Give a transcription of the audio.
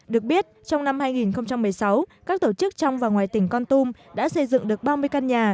được biết trong năm hai nghìn một mươi sáu các tổ chức trong và ngoài tỉnh con tum đã xây dựng được ba mươi căn nhà